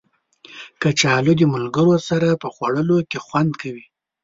کچالو د ملګرو سره په خوړلو کې خوند کوي